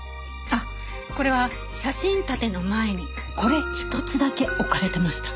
あっこれは写真立ての前にこれ一つだけ置かれてました。